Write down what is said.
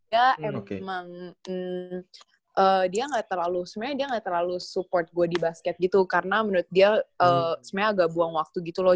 ya emang dia nggak terlalu sebenarnya dia nggak terlalu support gue di basket gitu karena menurut dia sebenarnya agak buang waktu gitu loh